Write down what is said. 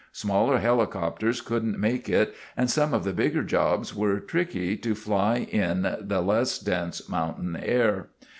Smaller helicopters couldn't make it, and some of the bigger jobs were tricky to fly in the less dense mountain air.